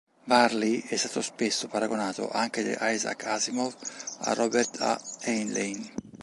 Varley è stato spesso paragonato, anche da Isaac Asimov, a Robert A. Heinlein.